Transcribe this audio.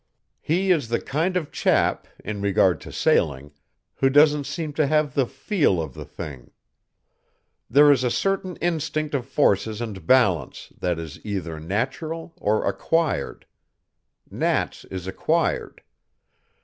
"He is the kind of chap, in regard to sailing, who doesn't seem to have the 'feel' of the thing. There is a certain instinct of forces and balance that is either natural or acquired. Nat's is acquired.